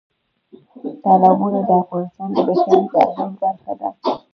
تالابونه د افغانستان د بشري فرهنګ برخه ده.